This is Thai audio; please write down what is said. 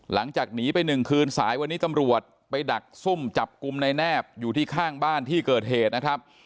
หลังจากหนีไปหนึ่งคืนสายวันนี้ตำรวจไปดักซุ่มจับกลุ่มในแนบอยู่ที่ข้างบ้านที่เกิดเหตุนะครับ